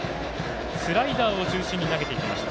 スライダーを中心に投げていきました。